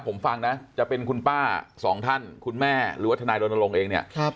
ผมฟังนะจะเป็นคุณป้าสองท่านคุณแม่หรือว่าทนายรณรงค์เองเนี่ย